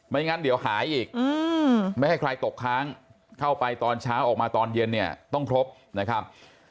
งั้นเดี๋ยวหายอีกไม่ให้ใครตกค้างเข้าไปตอนเช้าออกมาตอนเย็นเนี่ยต้องครบนะครับ